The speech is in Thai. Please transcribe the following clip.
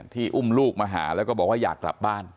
อุ้มลูกมาหาแล้วก็บอกว่าอยากกลับบ้าน